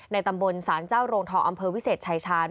ตำบลสารเจ้าโรงทองอำเภอวิเศษชายชาญ